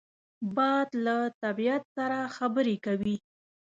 باد له طبیعت سره خبرې کوي